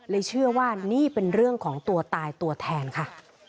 เชื่อว่านี่เป็นเรื่องของตัวตายตัวแทนค่ะ